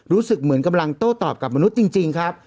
รู้สึกเหมือนกำลังโต้ตอบกับมนุษย์จริงครับ